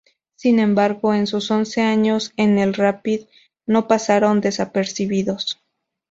Sin embargo, en sus once años en el Rapid, no pasaron desapercibidos.